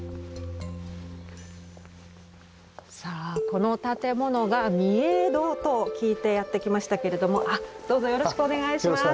この建物が御影堂と聞いてやって来ましたけれどもあっどうぞよろしくお願いします。